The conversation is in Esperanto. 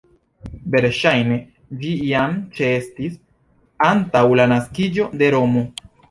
Verŝajne ĝi jam ĉeestis antaŭ la naskiĝo de Romo.